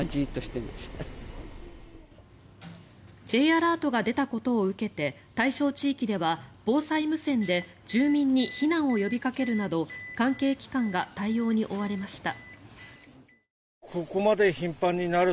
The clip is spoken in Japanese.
Ｊアラートが出たことを受けて対象地域では防災無線で住民に避難を呼びかけるなど関係機関が対応に追われました。